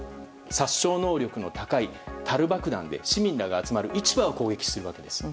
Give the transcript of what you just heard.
殺傷能力の高い、たる爆弾で市民らが集まる市場を攻撃するわけです。